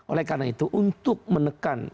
oleh karena itu untuk menekan